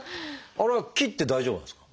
あれは切って大丈夫なんですか？